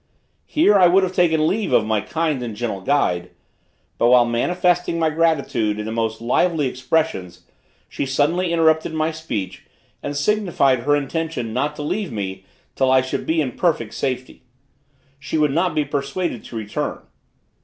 Here I would have taken leave of my kind and gentle guide; but while manifesting my gratitude in the most lively expressions, she suddenly interrupted my speech and signified her intention not to leave me till I should be in perfect safety. She would not be persuaded to return.